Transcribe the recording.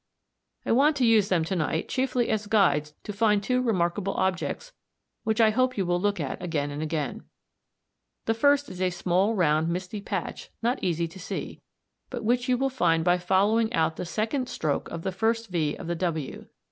I want to use them to night chiefly as guides to find two remarkable objects which I hope you will look at again and again. The first is a small round misty patch not easy to see, but which you will find by following out the second stroke of the first V of the W.